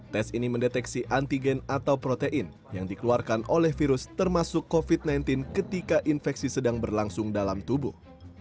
tes ini mendeteksi antigen atau protein yang dikeluarkan oleh virus termasuk covid sembilan belas ketika infeksi sedang berlangsung dalam tubuh